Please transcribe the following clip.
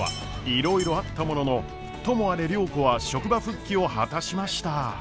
いろいろあったもののともあれ良子は職場復帰を果たしました。